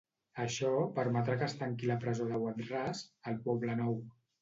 Això permetrà que es tanqui la presó de Wad-Ras, al Poblenou.